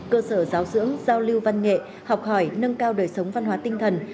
cơ sở giáo dưỡng giao lưu văn nghệ học hỏi nâng cao đời sống văn hóa tinh thần